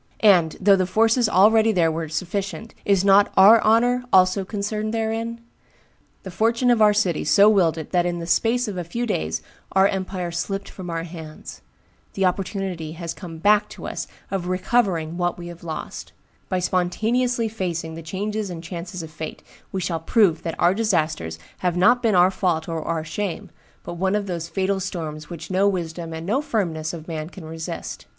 And, though the forces already there were sufficient, is not our honor also concerned therein? The fortune of our city so willed it that in the space of a few days our empire slipped from our hands; the opportunity has come back to us of recovering what we have lost; by spontaneously facing the changes and chances of fate, we shall prove that our disasters have not been our fault or our shame, but one of those fatal storms which no wisdom and no firmness of man can resist.